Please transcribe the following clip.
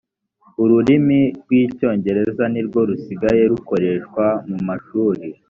ururimi rw’ icyongereza nirwo rusigaye rukoreshwa mu mashuri